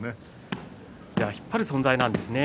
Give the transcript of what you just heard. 引っ張る存在なんですね